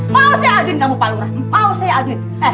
mau saya aduin kamu palu rani